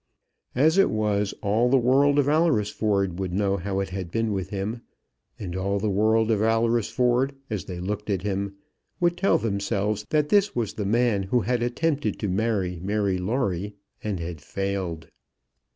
As it was, all the world of Alresford would know how it had been with him, and all the world of Alresford as they looked at him would tell themselves that this was the man who had attempted to marry Mary Lawrie, and had failed.